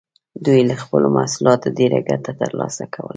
دوی له خپلو محصولاتو ډېره ګټه ترلاسه کوله.